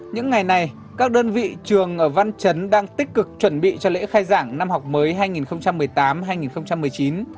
những ngày này các đơn vị trường ở văn chấn đang tích cực chuẩn bị cho lễ khai giảng năm học mới hai nghìn một mươi tám hai nghìn một mươi chín